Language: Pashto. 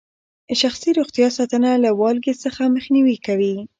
شخصي روغتیا ساتنه له والګي څخه مخنیوي کوي.